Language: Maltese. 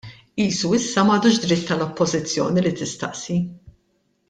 Qisu issa m'għadux dritt tal-Oppożizzjoni li tistaqsi.